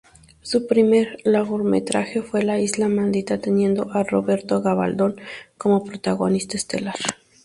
Su primer largometraje fue "La isla maldita", teniendo a Roberto Gavaldón como protagonista estelar.